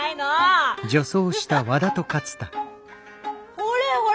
ほれほれ。